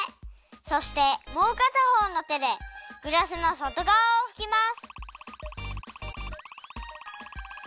そしてもうかたほうの手でグラスの外がわをふきます。